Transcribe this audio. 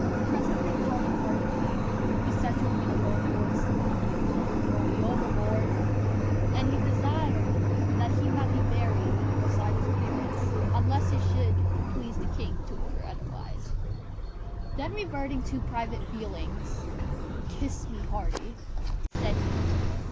Presently calling Hardy back, he said to him in a low voice, "Don't throw me overboard:" and he desired that he might be buried beside his parents, unless it should please the king to order otherwise. Then reverting to private feelings, "Kiss me, Hardy," said he.